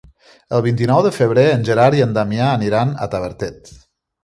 El vint-i-nou de febrer en Gerard i en Damià aniran a Tavertet.